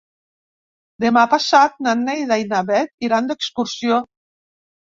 Demà passat na Neida i na Bet iran d'excursió.